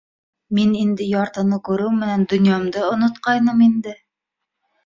Мин инде яртыны күреү менән донъямды онотҡайным инде.